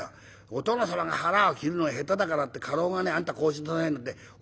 お殿様が腹を切るのが下手だからって家老がねあんたこうしなさいなんて教える。